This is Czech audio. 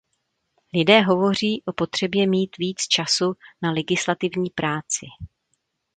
Lidé hovoří o potřebě mít víc času na legislativní práci.